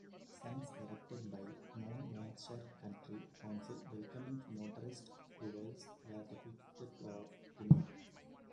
Signs erected by Monmouthshire County Council welcoming motorists to Wales were defaced or removed.